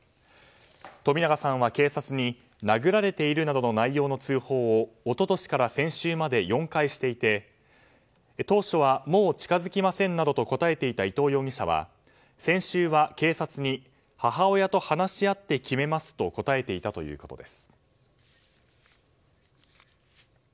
冨永さんは警察に殴られているなどの内容の通報を一昨年から先週まで４回していて当初は、もう近づきませんなどと答えていた伊藤容疑者は先週は警察に母親と話し合って決めますと答えていたということです。